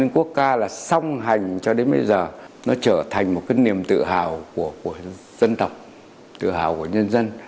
quốc ca là song hành cho đến bây giờ nó trở thành một cái niềm tự hào của dân tộc tự hào của nhân dân